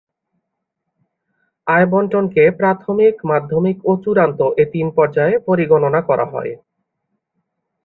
আয়বণ্টনকে প্রাথমিক, মাধ্যমিক ও চূড়ান্ত এ তিন পর্যায়ে পরিগণনা করা হয়।